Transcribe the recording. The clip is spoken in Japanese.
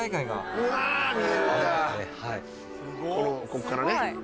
こっからね。